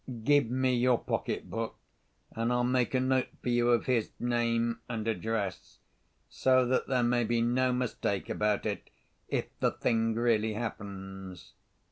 Give me your pocket book, and I'll make a note for you of his name and address—so that there may be no mistake about it if the thing really happens."